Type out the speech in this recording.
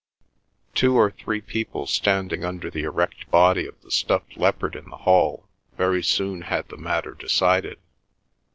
Two or three people standing under the erect body of the stuffed leopard in the hall very soon had the matter decided.